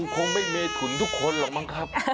คงไม่เมถุนทุกคนหรอกมั้งครับ